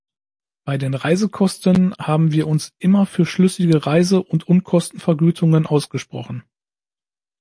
Bei den Reisekosten haben wir uns immer für schlüssige Reise- und Unkostenvergütungen ausgesprochen.